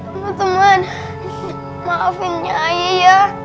teman teman maafin nyak ya